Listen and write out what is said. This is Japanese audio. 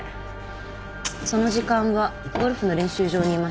その時間はゴルフの練習場にいました。